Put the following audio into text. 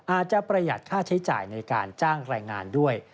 อาจจะประหยัดค่าใช้จ่ายในการจ้างแรงงานด้วย